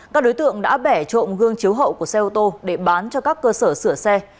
các đối tượng đã bẻ trộm gương chiếu hậu của xe ô tô để bán cho các cơ sở sửa xe